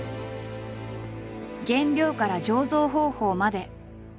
原料から醸造方法まで。